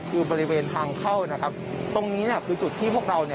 คือบริเวณทางเข้านะครับตรงนี้เนี่ยคือจุดที่พวกเราเนี่ย